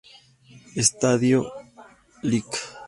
Estadio Lic.